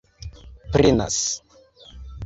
prenas